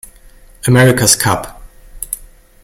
America’s Cup.